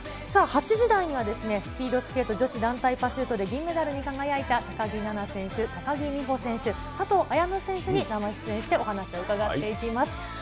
さあ、８時台には、スピードスケート女子団体パシュートで銀メダルに輝いた高木菜那選手、高木美帆選手、佐藤綾乃選手に生出演して、お話を伺っていきます。